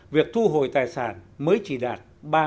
việc thu hồi tài sản mới chỉ đạt ba mươi tám ba